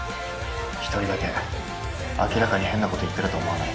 一人だけ明らかに変なこと言ってると思わない？